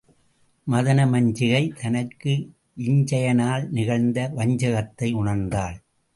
மதனமஞ்சிகை தனக்கு விஞ்சையனால் நிகழ்ந்த வஞ்சகத்தை உணர்ந்தாள்.